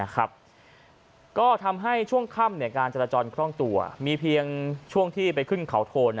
ก็ทำให้ช่วงค่ำการจราจรคล่องตัวมีเพียงช่วงที่ไปขึ้นเขาโทน